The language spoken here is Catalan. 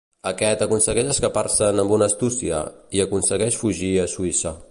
Aquest aconsegueix escapar-se'n amb una astúcia i aconsegueix fugir a Suïssa.